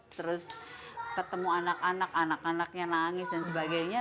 terus ketemu anak anak anak anaknya nangis dan sebagainya